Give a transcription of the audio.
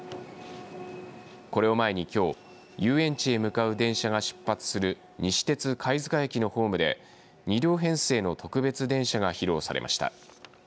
これを前に、きょう遊園地へ向かう電車が出発する西鉄貝塚駅のホームで２両編成の特別電車が披露されました。